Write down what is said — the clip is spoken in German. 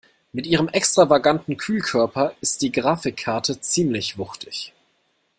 Mit ihrem extravaganten Kühlkörper ist die Grafikkarte ziemlich wuchtig.